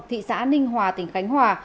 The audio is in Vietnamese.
thị xã ninh hòa tỉnh khánh hòa